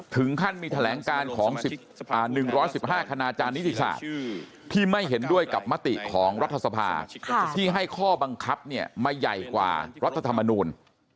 ถึงขั้นมีแถลงการของ๑๑๕คณาจารนิติศาสตร์ที่ไม่เห็นด้วยกับมติของรัฐสภาที่ให้ข้อบังคับมาใหญ่กว่ารัฐธรรมนูล